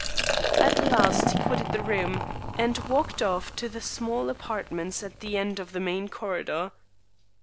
At last he quitted the room, and walked off to the small apartments at the end of the main corridor.